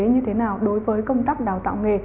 như thế nào đối với công tác đào tạo nghề